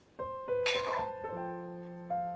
けど。